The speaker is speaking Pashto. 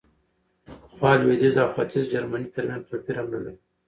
پخوا لوېدیځ او ختیځ جرمني ترمنځ توپیر هم نه لري.